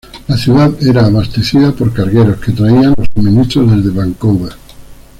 La ciudad era abastecida por cargueros que traían los suministros desde Vancouver.